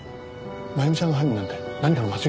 真弓ちゃんが犯人なんて何かの間違いだよ。